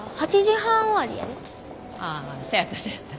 あそやったそやった。